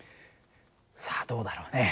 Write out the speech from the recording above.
さあどうだろうね？